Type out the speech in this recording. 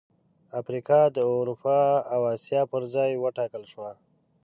افریقا د اروپا او اسیا پر ځای وټاکل شوه.